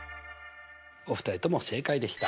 お二人とも正解でした。